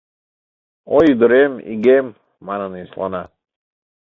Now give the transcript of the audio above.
— Ой, ӱдырем, игем! — манын йӧслана.